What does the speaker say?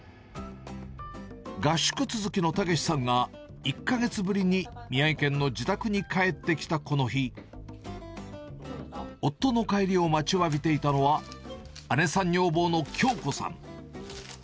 合宿続きのたけしさんが、１か月ぶりに宮城県の自宅に帰ってきた、この日、夫の帰りを待ちわびていたのは、姉さん女房の響子さん。